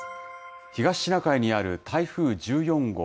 東シナ海にある台風１４号。